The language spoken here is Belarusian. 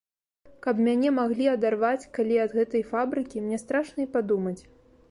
Каб мяне маглі адарваць калі ад гэтай фабрыкі, мне страшна і падумаць.